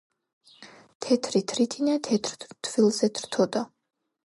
თეთრი თრითინა თეთრ რთვილზე თრთოდა.